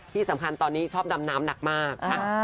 ที่สำคัญตอนนี้ชอบดำน้ำหนักมาก